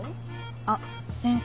あっ先生